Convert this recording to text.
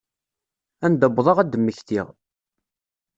Anda wwḍeɣ ad d-mmektiɣ.